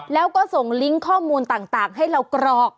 แล้วก็ส่งลิงก์ข้อมูลต่างให้เรากรอก